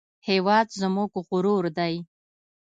هېواد زموږ غرور دی